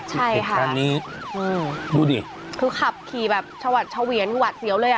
ใช่ค่ะดูดิคือขับขี่แบบชาวเวียนหวัดเสียวเลย